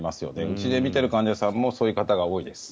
うちで診ている患者さんもそういう方が多いです。